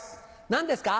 何ですか？